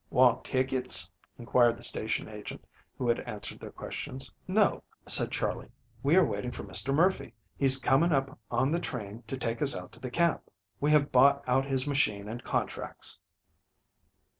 "Want tickets?" inquired the station agent, who had answered their questions. "No," said Charley. "We are waiting for Mr. Murphy. He's coming up on the train to take us out to camp. We have bought out his machine and contracts."